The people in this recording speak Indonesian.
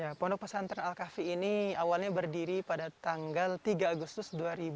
ya pondok pesantren al kafi ini awalnya berdiri pada tanggal tiga agustus dua ribu dua puluh